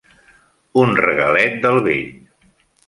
Un regalet del vell.